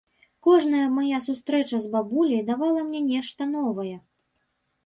Кожная мая сустрэча з бабуляй давала мне нешта новае.